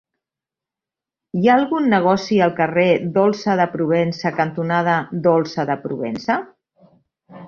Hi ha algun negoci al carrer Dolça de Provença cantonada Dolça de Provença?